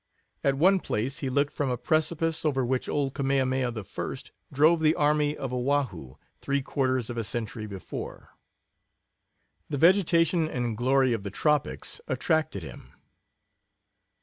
At one place he looked from a precipice over which old Kamehameha I. drove the army of Oahu, three quarters of a century before. The vegetation and glory of the tropics attracted him.